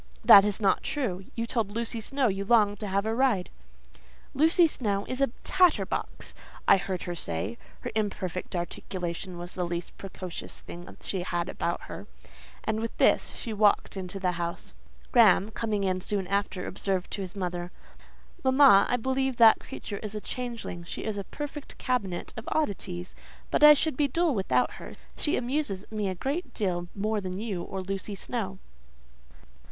"That is not true. You told Lucy Snowe you longed to have a ride." "Lucy Snowe is a tatter box," I heard her say (her imperfect articulation was the least precocious thing she had about her); and with this; she walked into the house. Graham, coming in soon after, observed to his mother,—"Mamma, I believe that creature is a changeling: she is a perfect cabinet of oddities; but I should be dull without her: she amuses me a great deal more than you or Lucy Snowe."